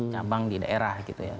cabang di daerah gitu ya